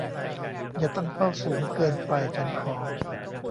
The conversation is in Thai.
อย่าตั้งเป้าฉันสูงเกินไป ฉันขอ